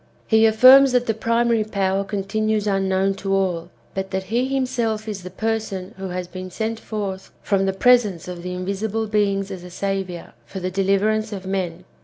He affirms that the primary Power continues unknown to all, but that he himself is the person who has been sent forth from the presence of the invisible beings as a saviour, for the deliverance of men.